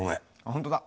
本当だ。